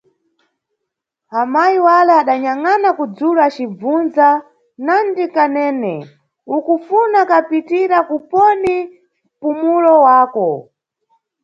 Amayi wale adanyang?ana kudzulu acim? bvundza: Nandi Kanene, ukufuna kapitira kuponi mpumulo wako?